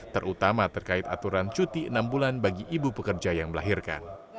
terutama terkait aturan cuti enam bulan bagi ibu pekerja yang melahirkan